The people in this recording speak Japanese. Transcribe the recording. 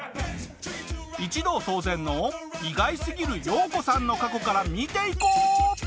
一同騒然の意外すぎるヨウコさんの過去から見ていこう！